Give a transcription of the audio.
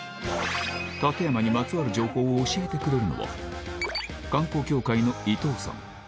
館山にまつわる情報を教えてくれるのは、観光協会の伊東さん。